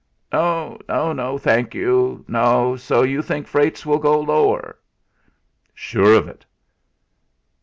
"No, no! Thank you. No! So you think freights will go lower?" "Sure of it."